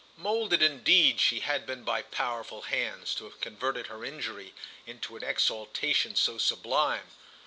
Moulded indeed she had been by powerful hands, to have converted her injury into an exaltation so sublime.